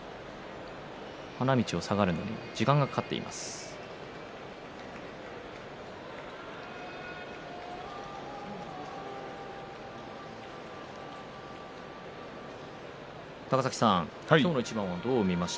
天空海が少し花道を下がるのに時間がかかっています。